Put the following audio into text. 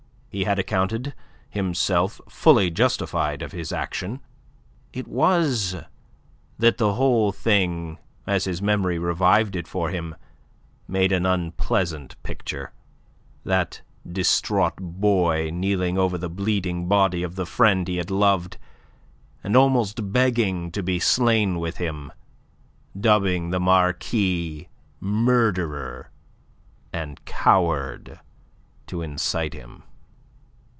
He had accounted himself fully justified of his action. It was that the whole thing as his memory revived it for him made an unpleasant picture: that distraught boy kneeling over the bleeding body of the friend he had loved, and almost begging to be slain with him, dubbing the Marquis murderer and coward to incite him.